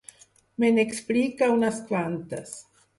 Me n'explica unes quantes.